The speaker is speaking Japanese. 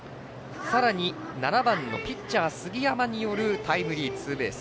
さらに７番のピッチャー、杉山によるタイムリーツーベース